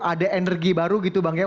ada energi baru gitu bang ya